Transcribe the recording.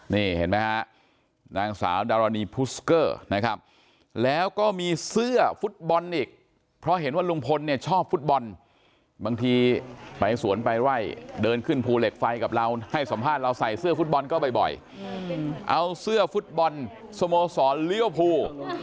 นี่เห็นไหมฮะนางสาวดารณีพูสเกอร์นะครับแล้วก็มีเสื้อฟุตบอลอีกเพราะเห็นว่าลุงพลเนี่ยชอบฟุตบอลบางทีไปสวนไปไล่เดินขึ้นภูเหล็กไฟกับเราให้สัมภาษณ์เราใส่เสื้อฟุตบอลก็บ่อยเอาเสื้อฟุตบอลสโมสรเลี้ยวภู